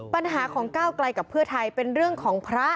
ปัญหาของก้าวไกลกับเพื่อไทยเป็นเรื่องของพระ